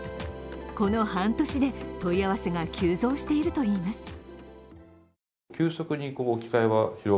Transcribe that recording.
この半年で問い合わせが急増しているといいます。